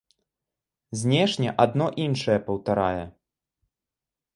Знешне адно іншае паўтарае.